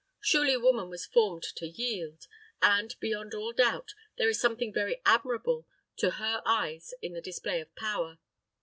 Surely woman was formed to yield, and, beyond all doubt, there is something very admirable to her eyes in the display of power.